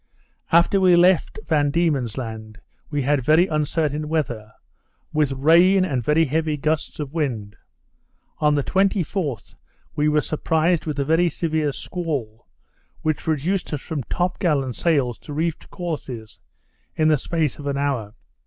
After we left Van Diemen's Land, we had very uncertain weather, with rain and very heavy gusts of wind. On the 24th, we were surprised with a very severe squall, that reduced us from top gallant sails to reefed courses, in the space of an hour.